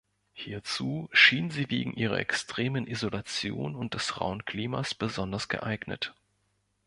Hierzu schien sie wegen ihrer extremen Isolation und des rauen Klimas besonders geeignet.